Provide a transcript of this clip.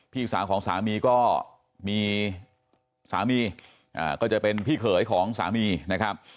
พี่สาวของสามีก็มีสามีก็จะเป็นพี่เขยของสามีนะครับ